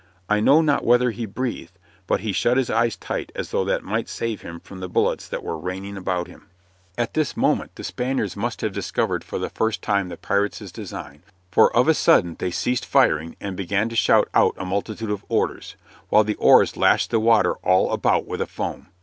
I know not whether he breathed, but he shut his eyes tight as though that might save him from the bullets that were raining about him. At this moment the Spaniards must have discovered for the first time the pirates' design, for of a sudden they ceased firing, and began to shout out a multitude of orders, while the oars lashed the water all about with a foam.